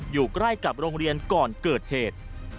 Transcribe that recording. อยู่ใกล้กับโรงเรียนก่อนเกิดเหตุ